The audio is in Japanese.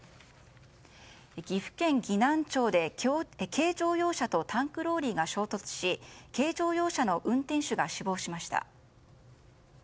岐阜県岐南町で軽乗用車とタンクローリーが衝突し軽乗用車の運転手が死亡しました。